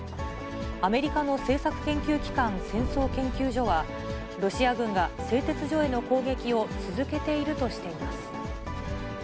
アメリカの政策研究機関、戦争研究所は、ロシア軍が製鉄所への攻撃を続けているとしています。